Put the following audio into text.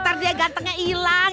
nanti dia gantengnya ilang